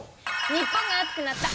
日本が熱くなった！